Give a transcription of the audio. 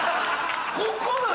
ここなん？